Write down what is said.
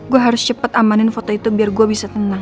gue harus cepat amanin foto itu biar gue bisa tenang